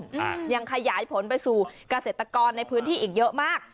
อ่ายังขยายผลไปสู่เกษตรกรในพื้นที่อีกเยอะมาก